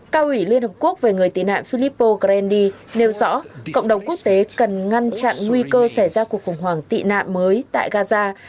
cao ủy liên hợp quốc về người tị nạn filippo grandi nêu rõ cộng đồng quốc tế cần ngăn chặn nguy cơ xảy ra cuộc khủng hoảng tị nạn mới tại gaza